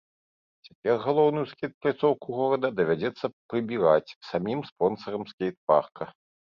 Цяпер галоўную скейт-пляцоўку горада давядзецца прыбіраць самім спонсарам скейтпарка.